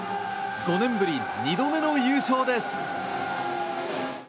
５年ぶり２度目の優勝です。